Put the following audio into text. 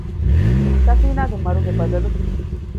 ސަފީނާގެ މަރުގެ ބަދަލު